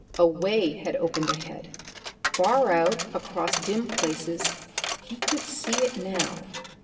A way had opened ahead; far out across dim places he could see it now.